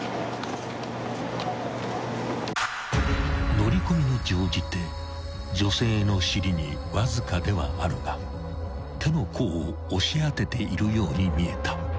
［乗り込みに乗じて女性の尻にわずかではあるが手の甲を押し当てているように見えた］